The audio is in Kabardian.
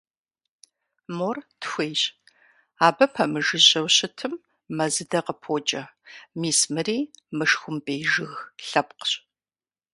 Мор тхуейщ, абы пэмыжыжьэу щытым мэзыдэ къыпокӀэ, мис мыри мышхумпӀей жыг лъэпкъщ.